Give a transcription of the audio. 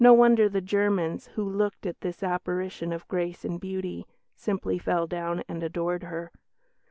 No wonder the Germans, who looked at this apparition of grace and beauty, "simply fell down and adored her."